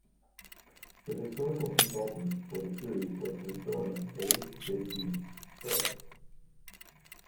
The historical consultant for the series was the historian A. J. P. Taylor.